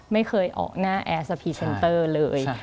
ไม่เคยออกหน้าแอร์สพรีเซนเตอร์เลย